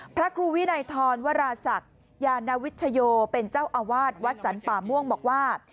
พระครูวินัยทรวราศักดิ์ยานวิชโยเป็นเจ้าอาวาสวัดสรรป่าม่วงบอกว่า